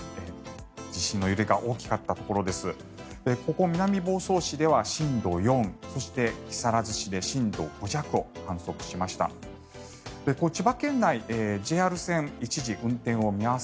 地震の揺れが大きかったところです。